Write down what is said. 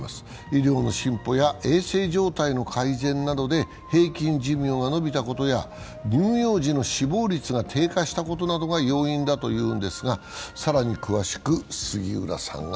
医療の進歩や衛生状態の改善などで平均寿命が伸びたことや乳幼児の死亡率が低下したことなどが要因だと言います。